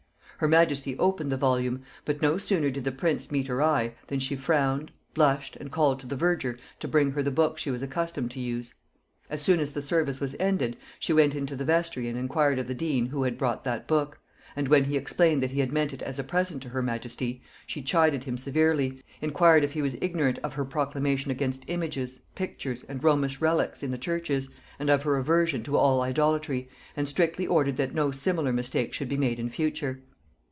Her majesty opened the volume; but no sooner did the prints meet her eye, than she frowned, blushed, and called to the verger to bring her the book she was accustomed to use. As soon as the service was ended, she went into the vestry and inquired of the dean who had brought that book? and when he explained that he had meant it as a present to her majesty, she chid him severely, inquired if he was ignorant of her proclamation against images, pictures, and Romish reliques in the churches, and of her aversion to all idolatry, and strictly ordered that no similar mistake should be made in future.